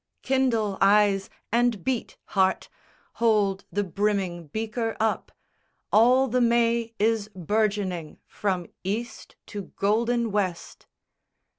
X Kindle, eyes, and beat, heart! Hold the brimming breaker up! All the may is burgeoning from East to golden West!